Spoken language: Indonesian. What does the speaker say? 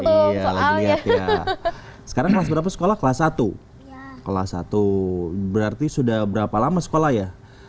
tuh soalnya sekarang berapa sekolah kelas satu kelas satu berarti sudah berapa lama sekolah ya